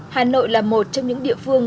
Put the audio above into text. hà nội là một trong những địa phương